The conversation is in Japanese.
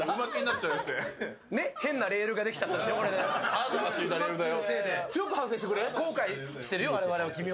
あなたが敷いたレールだよ。